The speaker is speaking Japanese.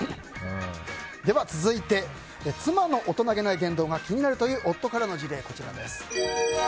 続いて、妻の大人げない言動が気になるという夫からの事例です。